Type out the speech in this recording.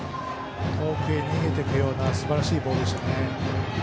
遠くへ逃げていくようなすばらしいボールでしたね。